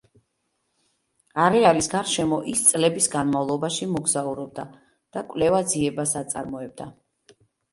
არეალის გარშემო ის წლების განმავლობაში მოგზაურობდა და კვლევა-ძიებას აწარმოებდა.